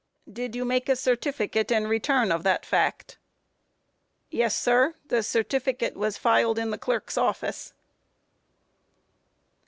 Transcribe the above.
Q. Did you make a certificate and return of that fact? A. Yes, sir; the certificate was filed in the Clerk's office.